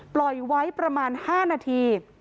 ปล่อยไว้ประมาณ๕นาที